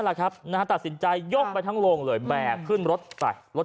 แหละครับนะฮะตัดสินใจยกไปทั้งโรงเลยแบกขึ้นรถไปรถ